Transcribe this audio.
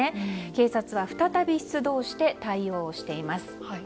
警察は再び出動して対応しています。